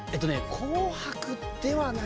「紅白」ではない。